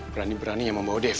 berani beraninya membawa devi